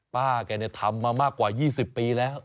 ป้าแกทำมามากกว่า๒๐ปีแล้ว